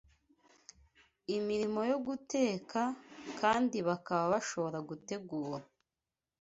imirimo yo guteka, kandi bakaba bashobora gutegura